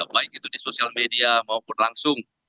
baik itu di sosial media maupun langsung